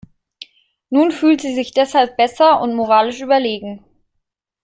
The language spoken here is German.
Nun fühlt sie sich deshalb besser und moralisch überlegen.